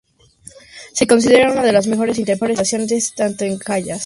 Se considera una de las mejores interpretaciones tanto de Callas como de Gobbi.